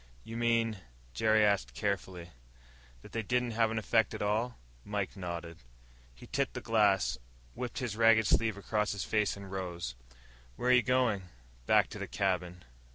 "You mean," Jerry asked carefully, "that they didn't have any effect at all?" Mike nodded. He tipped the glass, wiped his ragged sleeve across his face, and rose. "Where are you going?" "Back to the cabin."